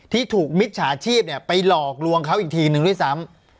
ที่ถูกมิจฉาชีพไปหลอกลวงเขาอีกทีนึงด้วยซ้ำ